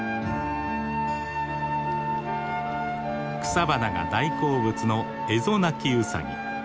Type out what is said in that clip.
草花が大好物のエゾナキウサギ。